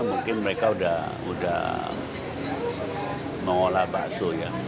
mungkin mereka sudah mengolah bakso ya